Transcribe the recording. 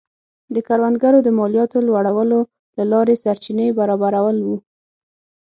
د کروندګرو د مالیاتو لوړولو له لارې سرچینې برابرول و.